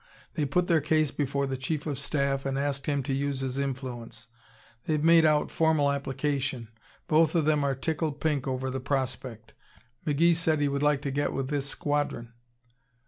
They put their case before the Chief of Staff and asked him to use his influence. They've made out formal application. Both of them are tickled pink over the prospect. McGee said he would like to get with this squadron."